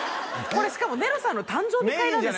これしかもネロさんの誕生日会なんですよ